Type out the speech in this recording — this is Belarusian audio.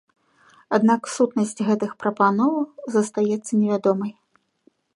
Аднак сутнасць гэтых прапановаў застаецца невядомай.